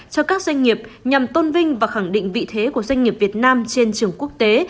cho các doanh nghiệp nhằm tôn vinh và khẳng định vị thế của doanh nghiệp việt nam trên trường quốc tế